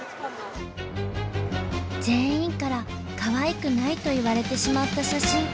全員からかわいくないと言われてしまった写真。